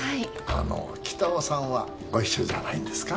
あの北尾さんはご一緒じゃないんですか？